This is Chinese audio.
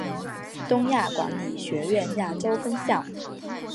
东亚管理学院亚洲分校。